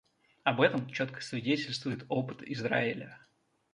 Об этом четко свидетельствует опыт Израиля.